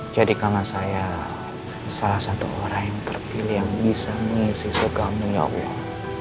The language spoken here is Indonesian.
jadikanlah saya salah satu orang yang terpilih yang bisa mengisi sukamu ya allah